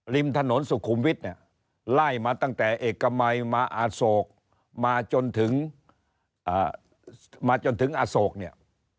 ริมถนนสุขุมวิทย์ล่ายมาตั้งแต่เอกรรมัยมาอสกมาจนถึงอสกเนี่ย